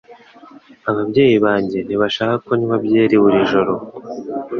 Ababyeyi banjye ntibashaka ko nywa byeri buri joro